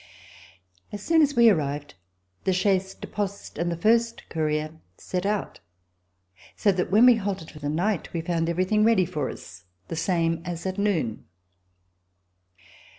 As soon as we arrived, the chaise de poste and the first courier set out, so that when we halted for the night we found every thing ready for us the same as at noon.